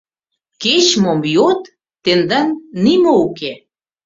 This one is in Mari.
— Кеч-мом йод — тендан нимо уке.